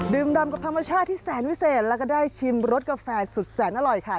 ดำกับธรรมชาติที่แสนวิเศษแล้วก็ได้ชิมรสกาแฟสุดแสนอร่อยค่ะ